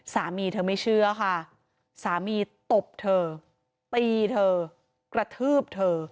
สามีเธอไม่เชื่อค่ะสามีตบเธอตีเธอกระทืบเธอ